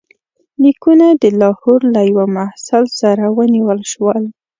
لیکونه د لاهور له یوه محصل سره ونیول شول.